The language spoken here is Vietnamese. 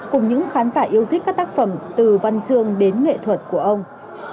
cùng những khán giả yêu thích các tác phẩm từ văn chương đến nghệ thuật của ông